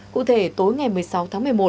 cụ thể tối ngày một mươi sáu tháng một mươi một